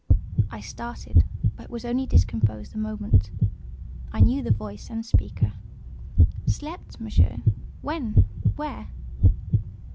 I started, but was only discomposed a moment; I knew the voice and speaker. "Slept, Monsieur! When? where?"